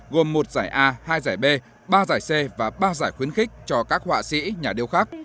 gồm một giải a hai giải b ba giải c và ba giải khuyến khích cho các họa sĩ nhà điêu khắc